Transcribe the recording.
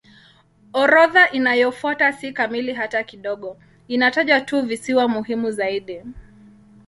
Orodha inayofuata si kamili hata kidogo; inataja tu visiwa muhimu zaidi.